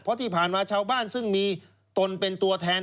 เพราะที่ผ่านมาชาวบ้านซึ่งมีตนเป็นตัวแทน